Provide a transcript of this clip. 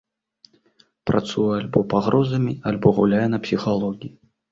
Працуе альбо пагрозамі, альбо гуляе на псіхалогіі.